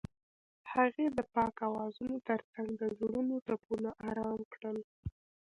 هغې د پاک اوازونو ترڅنګ د زړونو ټپونه آرام کړل.